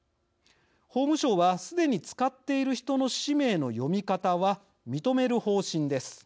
法務省は、すでに使っている人の氏名の読み方は認める方針です。